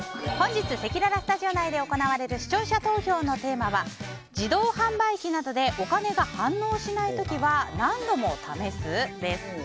本日、せきららスタジオ内で行われる視聴者投票のテーマは自動販売機などでお金が反応しない時は何度も試す？です。